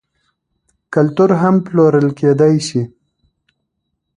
کلتور هم پلورل کیدی شي.